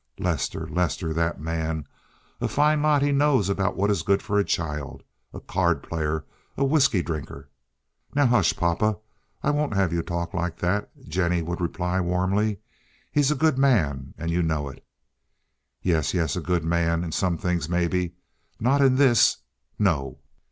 "Lester, Lester; that man! A fine lot he knows about what is good for a child. A card player, a whisky drinker!" "Now, hush, papa; I won't have you talk like that," Jennie would reply warmly. "He's a good man, and you know it." "Yes, yes, a good man. In some things, maybe. Not in this. No."